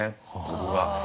ここが。